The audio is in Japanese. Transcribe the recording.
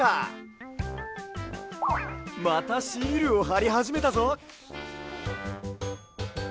またシールをはりはじめたぞ。